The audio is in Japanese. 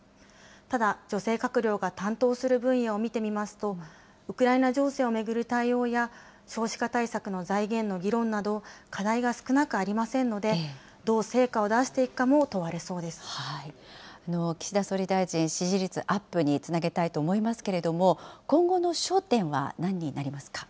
ただ、女性閣僚が担当する分野を見てみますと、ウクライナ情勢を巡る対応や、少子化対策の財源の議論など、課題が少なくありませんので、どう成果を出していくか岸田総理大臣、支持率アップにつなげたいと思いますけれども、今後の焦点はなんになりますか。